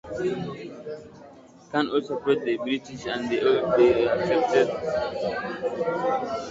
Khan also approached the British and they also accepted his request to defer it.